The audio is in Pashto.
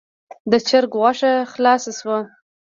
د چرګ غوښه خلاصه شوه.